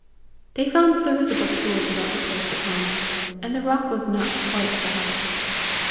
They found serviceable tools about the place at home, and the rock was not quite of the hardest.